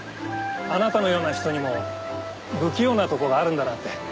あなたのような人にも不器用なところあるんだなって。